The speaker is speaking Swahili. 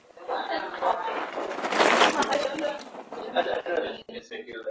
hakuna kesi zilizoripotiwa katika mkataba huo